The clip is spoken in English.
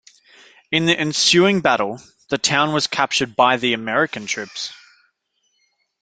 In the ensuing battle, the town was captured by the American troops.